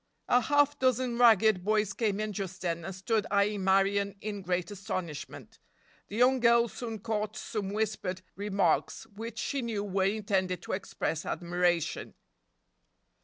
A half dozen ragged boys came in just then and stood eyeing Marion in great astonishment. The young girl soon caught some whispered remarks, which she knew were intended to express admiration.